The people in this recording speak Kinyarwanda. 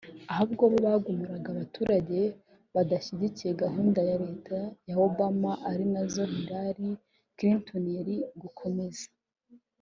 Ahubwo bo bagumuraga abaturage badashyigikiye gahunda za Leta ya Obama ari nazo Hillary Clinton yari gukomeza